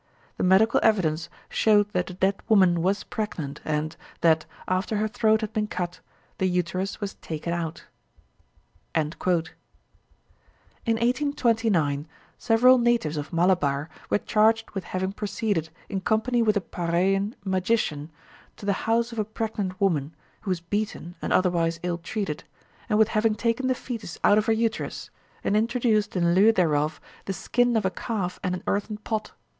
The medical evidence showed that the dead woman was pregnant, and that, after her throat had been cut, the uterus was taken out." In 1829, several Natives of Malabar were charged with having proceeded, in company with a Paraiyan magician, to the house of a pregnant woman, who was beaten and otherwise ill treated, and with having taken the foetus out of her uterus, and introduced in lieu thereof the skin of a calf and an earthen pot.